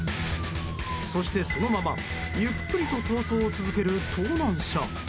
そして、そのままゆっくりと逃走を続ける盗難車。